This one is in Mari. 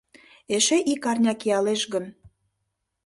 Эше ик арня киялеш гын